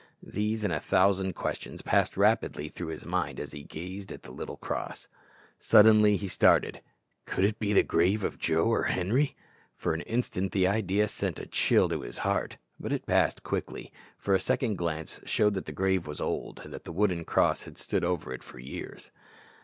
These and a thousand questions passed rapidly through his mind as he gazed at the little cross. Suddenly he started. "Could it be the grave of Joe or Henri?" For an instant the idea sent a chill to his heart; but it passed quickly, for a second glance showed that the grave was old, and that the wooden cross had stood over it for years.